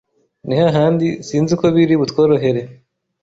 Nihahandi sinzi ko biri butworohere